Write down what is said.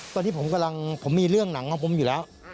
ตอนนี้ผมกำลังผมมีเรื่องหนังของผมอยู่แล้ว